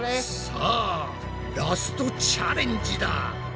さあラストチャレンジだ。